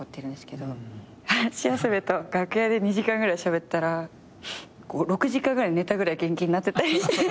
ハシヤスメと楽屋で２時間ぐらいしゃべったら６時間寝たぐらい元気になってたりして。